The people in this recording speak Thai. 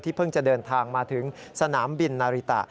เพิ่งจะเดินทางมาถึงสนามบินนาริตะ